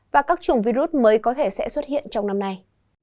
và các chủng virus mới có thể sẽ xuất hiện trong năm nay